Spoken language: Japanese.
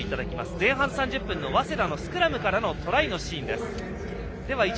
前半３０分の早稲田のスクラムからのトライのシーンです。